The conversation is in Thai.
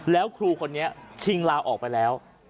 แล้วครูคนนี้ชิงลาออกไปแล้ว